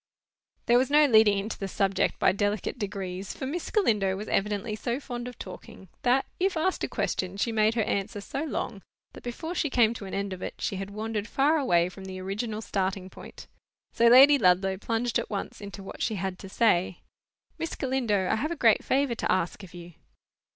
There was no leading into the subject by delicate degrees, for Miss Galindo was evidently so fond of talking, that, if asked a question, she made her answer so long, that before she came to an end of it, she had wandered far away from the original starting point. So Lady Ludlow plunged at once into what she had to say. "Miss Galindo, I have a great favour to ask of you."